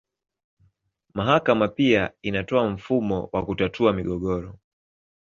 Mahakama pia inatoa mfumo wa kutatua migogoro.